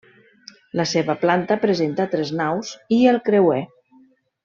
La seva planta presenta tres naus i el creuer.